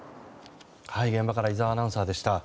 現場から井澤アナウンサーでした。